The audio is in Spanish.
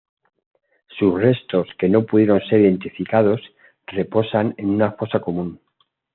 Sus restos, que no pudieron ser identificados, reposan en una fosa común.